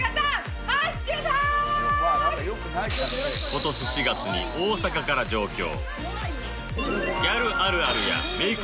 今年４月に大阪から上京